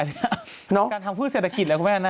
การทำพืชเศรษฐกิจเลยคุณแม่นะ